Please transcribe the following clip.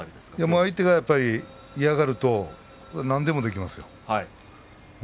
相手が嫌がると何でもできますよ。